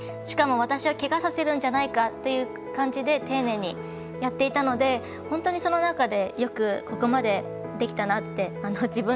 しかも、私をけがさせるんじゃないかっていう感じで丁寧にやっていたので本当にその中でここまでよくできたなって。